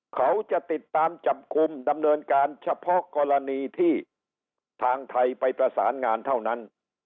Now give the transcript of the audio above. เขาจะติดตามจับกลุ่มดำเนินการเฉพาะกรณีที่ทางไทยไปประสานงานเท่านั้น